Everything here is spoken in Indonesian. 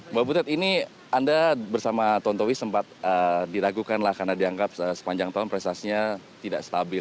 mbak butet ini anda bersama tontowi sempat diragukan lah karena dianggap sepanjang tahun prestasinya tidak stabil